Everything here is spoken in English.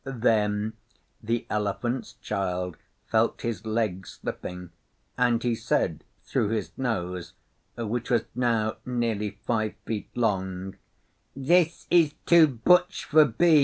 Then the Elephant's Child felt his legs slipping, and he said through his nose, which was now nearly five feet long, 'This is too butch for be!